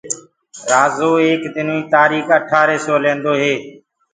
رآجو ايڪ دنو ڪيٚ تآريٚڪ اٺآري سو لينٚدو هي